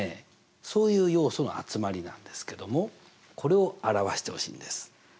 そういう要素の集まりなんですけどもこれを表してほしいんです。